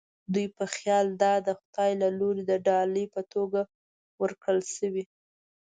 دوی په خیال دا د خدای له لوري د ډالۍ په توګه ورکړل شوې.